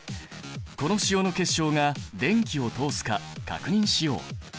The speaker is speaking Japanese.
この塩の結晶が電気を通すか確認しよう。